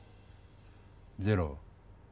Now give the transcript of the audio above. ゼロ。